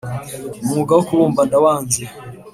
,umwuga wo kubumba ndawanze"